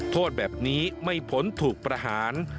โทษแบบนี้ไม่พ้นถูกประหาร